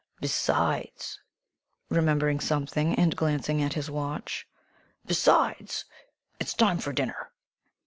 Besides" remembering something, and glancing at his watch "besides, it's time for dinner."